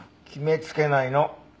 決めつけないの。